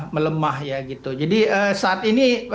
melemah ya gitu jadi saat ini